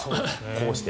こうして。